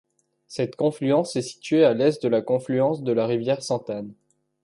Cette confluence est située à à l'est de la confluence de la rivière Sainte-Anne.